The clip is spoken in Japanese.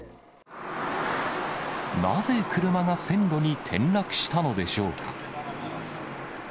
なぜ車が線路に転落したのでしょうか。